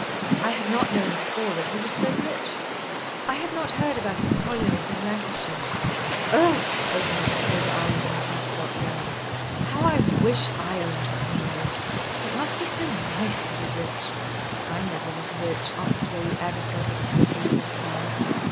I had not known before that he was so rich. I had not heard about his collieries in Lancashire. Oh!" opening her big eyes in heart felt yearning, "how I wish I owned a colliery! It must be so nice to be rich!" "I never was rich," answered Lady Agatha, with a bitter little sigh.